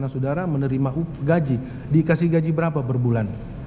saudara menerima gaji dikasih gaji berapa per bulan